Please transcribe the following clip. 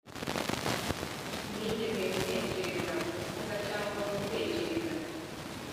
sinigeze ntekereza kuvuga cyangwa gutekereza